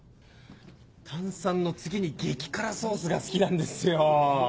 炭酸の次に激辛ソースが好きなんですよ。